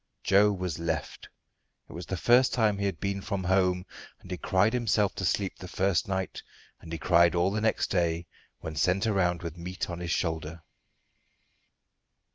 Joe was left. It was the first time he had been from home, and he cried himself to sleep the first night, and he cried all the next day when sent around with meat on his shoulder.